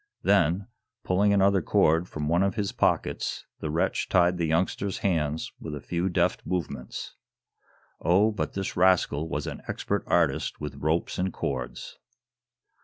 Then, pulling another cord from one of his pockets, the wretch tied the youngster's hands with a few deft movements. Oh, but this rascal was an expert artist with ropes and cords.